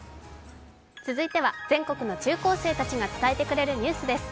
全国の中高生たちが伝えてくれるニュースです。